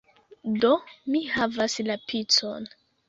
Do, mi havas la picon